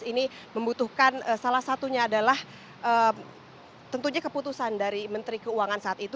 ini membutuhkan salah satunya adalah tentunya keputusan dari menteri keuangan saat itu